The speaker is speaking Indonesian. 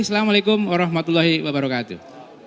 assalamu alaikum warahmatullahi wabarakatuh